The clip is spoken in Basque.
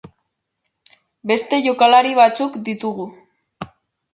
Beste jokalari batzuk ditugu.